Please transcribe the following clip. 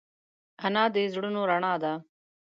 انا د زړونو رڼا ده